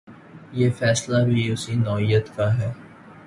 یہ فیصلہ بھی اسی نوعیت کا ہے۔